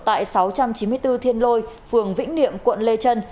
tại sáu trăm chín mươi bốn thiên lôi phường vĩnh niệm quận lê trân